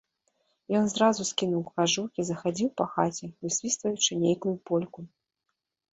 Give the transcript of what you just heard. Ён зразу скінуў кажух і захадзіў па хаце, высвістваючы нейкую польку.